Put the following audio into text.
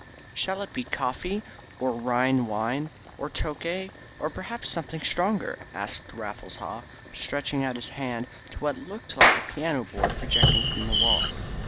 "Shall it be coffee, or Rhine wine, or Tokay, or perhaps something stronger," asked Raffles Haw, stretching out his hand to what looked like a piano board projecting from the wall.